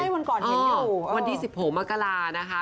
วันก่อนเห็นอยู่วันที่๑๖มกรานะคะ